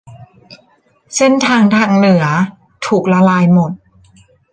เส้นทางทางเหนือถูกละลายหมด